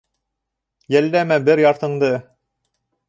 Йәлләмә бер яртыңды.